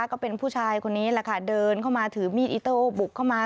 ก็เป็นผู้ชายคนนี้แหละค่ะเดินเข้ามาถือมีดอิโต้บุกเข้ามา